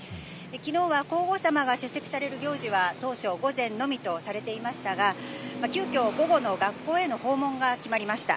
きのうは皇后さまが出席される行事は、当初、午前のみとされていましたが、急きょ、午後の学校への訪問が決まりました。